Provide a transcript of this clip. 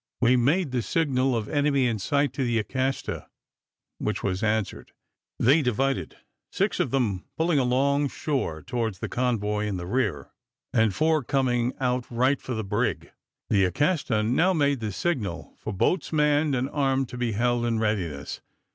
We made the signal of enemy in sight, to the Acasta, which was answered. They divided six of them pulling along shore towards the convoy in the rear, and four coming out right for the brig. The Acasta now made the signal for "Boats manned and armed to be held in readiness."